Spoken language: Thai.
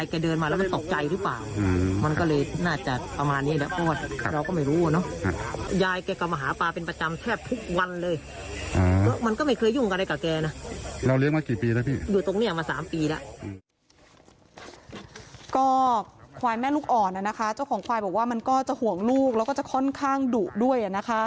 ก็ควายแม่ลูกอ่อนนะคะเจ้าของควายบอกว่ามันก็จะห่วงลูกแล้วก็จะค่อนข้างดุด้วย